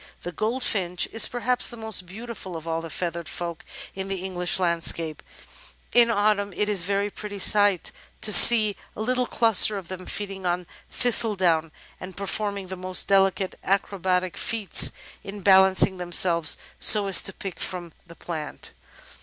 The Goldfinch is perhaps the most beautiful of all the feathered folk in the English landscape. In Autumn it is a very pretty sight to see a little cluster of them feeding on thistledown, and performing the most delicate acrobatic feats in balancing themselves so as to pick it from the plant.